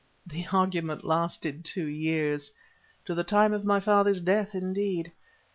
The argument lasted two years—to the time of my father's death, indeed.